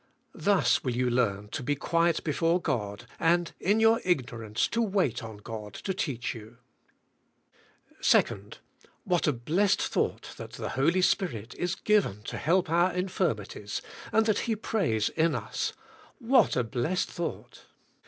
Thus will you learn to be quiet before God, and in your ignorance to wait on God to teach you. 2. What a blessed thought that the Holy Spirit is given to help our infirmities, and that He prays in us. What a blessed thought!